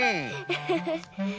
フフフ。